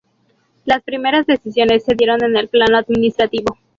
Las primeras decisiones se dieron en el plano administrativo.